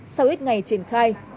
sau ít ngày triển khai